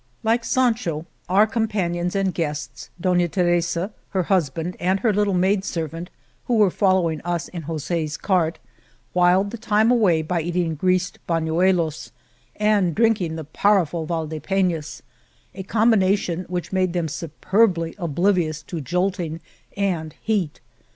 Like Sancho, our companions and guests, Doiia Teresa, her husband, and her little maid servant, who were following us in Jos6*s cart, whiled the time away by eating greased banuelos * and drinking the power ful Valdepenas — a combination which made them superbly oblivious to jolting and heat.